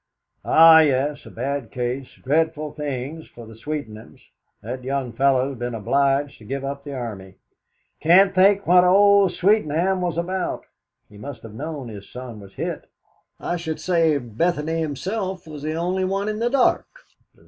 "Ah yes; a bad case. Dreadful thing for the Sweetenhams! That young fellow's been obliged to give up the Army. Can't think what old Sweetenham was about. He must have known his son was hit. I should say Bethany himself was the only one in the dark.